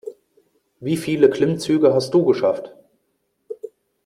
Wie viele Klimmzüge hast du geschafft?